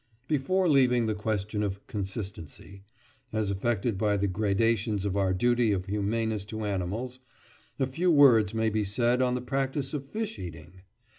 Before leaving this question of "consistency," as affected by the gradations of our duty of humaneness to animals, a few words may be said on the practice of fish eating.